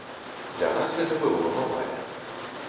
Для нас гэта было новае.